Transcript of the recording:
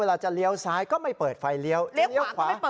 เวลาจะเลี้ยวซ้ายก็ไม่เปิดไฟเลี้ยวเลี้ยวขวา